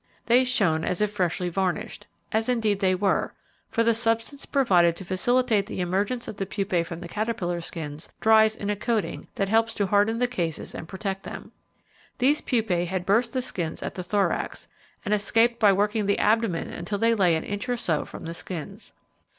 They shone as if freshly varnished, as indeed they were, for the substance provided to facilitate the emergence of the pupae from the caterpillar skins dries in a coating, that helps to harden the cases and protect them. These pupae had burst the skins at the thorax, and escaped by working the abdomen until they lay an inch or so from the skins.